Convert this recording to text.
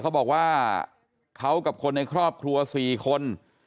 เขาบอกว่าเขากับคนในครอบครัว๔คน